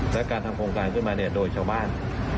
และการทำโครงการขึ้นมาเนี่ยโดยชาวบ้าน